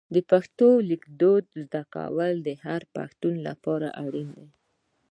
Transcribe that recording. پښتو لیکدود زده کول د هر پښتون لپاره اړین دي.